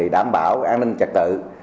đảm bảo an ninh trả tự